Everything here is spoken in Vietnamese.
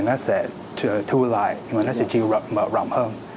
nó sẽ thua lại nhưng mà nó sẽ chiều rộng hơn